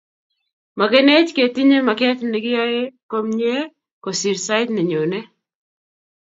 makenech Keetinye maket be kiyoe komyee kosir sait ne nyone